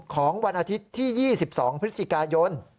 ของวันอาทิตย์ที่๒๒พฤศจิกายน